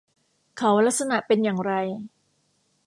เขาลักษณะเป็นอย่างไร